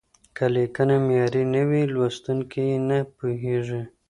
که لیکنه معیاري نه وي، لوستونکي یې نه پوهېږي.